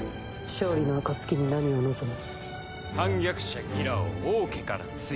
勝利の暁に何を望む？